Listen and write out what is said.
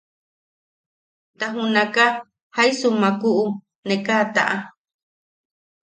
Ta junaka jaisumaku ne ka a taʼa.